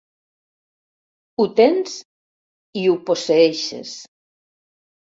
Ho tens i ho posseeixes.